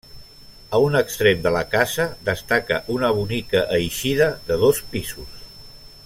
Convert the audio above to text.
A un extrem de la casa destaca una bonica eixida de dos pisos.